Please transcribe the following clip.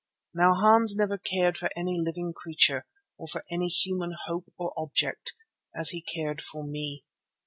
Now Hans never cared for any living creature, or for any human hope or object, as he cared for me.